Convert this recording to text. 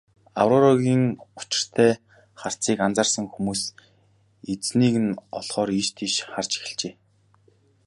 Аврорагийн учиртай харцыг анзаарсан хүмүүс эзнийг нь олохоор ийш тийш харж эхэлжээ.